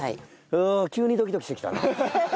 ああ急にドキドキしてきたな。